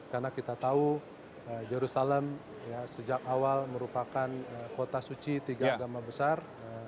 karena kita tahu jerusalem sejak awal merupakan kota suci tiga agama besar